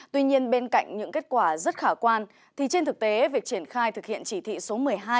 tuy nhiên bên cạnh những kết quả rất khả quan thì trên thực tế việc triển khai thực hiện chỉ thị số một mươi hai